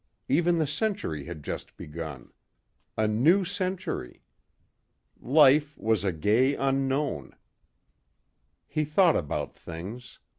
Even the century had just begun. A new century. Life was a gay unknown. He thought about things.